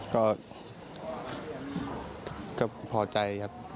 ก็พอใจครับ